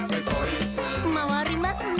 「まわりますなあ」